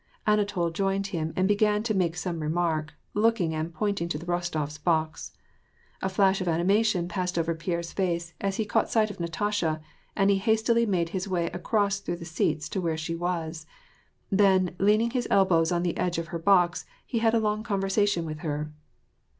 Anatol joined him, and began to make some remark, looking and pointing to the Rostofs^ box. A flash of animation passed over Pierre's face as he caught sight of Natasha, and he hastily made his way across through the seats to where she was. Then, leaning his elbows on tihe edge of her box, he had a long conversation with her.